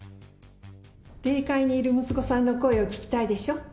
霊界にいる息子さんの声を聞きたいでしょう？